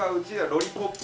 ロリポップ。